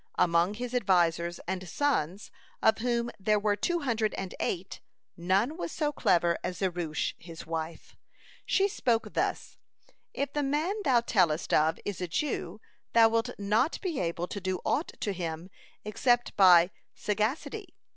(157) Among his advisers and sons, of whom there were two hundred and eight, none was so clever as Zeresh his wife. She spoke thus: "If the man thou tellest of is a Jew, thou wilt not be able to do aught to him except by sagacity.